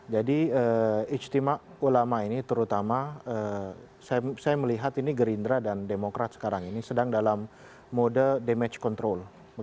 jadi ijtima ulama ini terutama saya melihat ini gerindra dan demokrat sekarang ini sedang dalam mode damage control